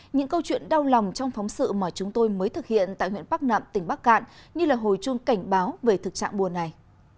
những câu chuyện đau lòng trong phóng sự mà chúng tôi mới thực hiện tại huyện bắc nậm tỉnh bắc cạn như là hồi chuông cảnh báo về thực trạng buồn này